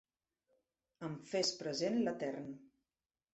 Em fes present l'Etern.